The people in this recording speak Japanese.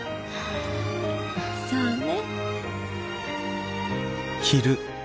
そうね。